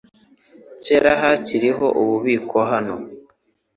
Kera hariho ububiko hano .